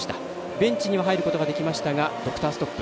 ベンチには入ることができましたがドクターストップ。